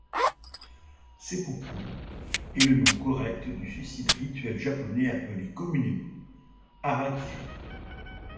Seppuku est le nom correct du suicide rituel japonais appelé communément hara-kiri.